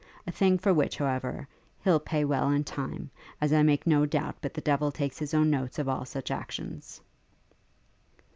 a thing for which, however, he'll pay well in time; as I make no doubt but the devil takes his own notes of all such actions.'